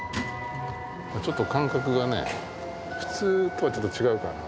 ちょっと感覚がね、普通とはちょっと違うかな。